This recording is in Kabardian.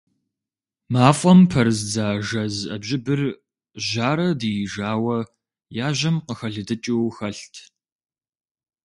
МафӀэм пэрыздза жэз Ӏэбжьыбыр жьарэ диижауэ яжьэм къыхэлыдыкӀыу хэлът.